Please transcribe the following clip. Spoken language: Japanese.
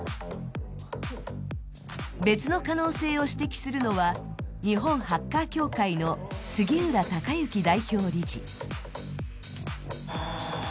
別の可能性を指摘するのは日本ハッカー協会の杉浦隆幸代表理事。